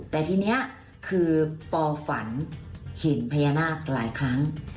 แต่ทีนี้คือปอฝันเห็นพญานาคหลายครั้ง